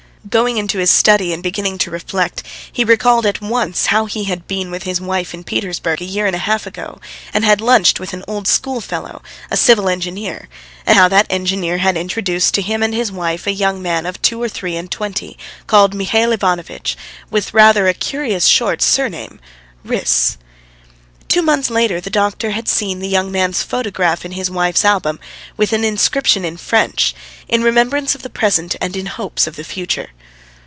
Going into his study and beginning to reflect, he recalled at once how he had been with his wife in Petersburg a year and a half ago, and had lunched with an old school fellow, a civil engineer, and how that engineer had introduced to him and his wife a young man of two or three and twenty, called Mihail Ivanovitch, with rather a curious short surname Riss. Two months later the doctor had seen the young man's photograph in his wife's album, with an inscription in French: "In remembrance of the present and in hope of the future."